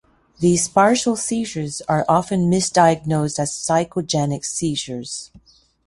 These partial seizures are often misdiagnosed as psychogenic seizures.